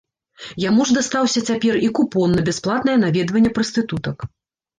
Яму ж дастаўся цяпер і купон на бясплатнае наведванне прастытутак.